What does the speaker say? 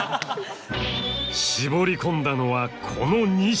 絞り込んだのはこの２社。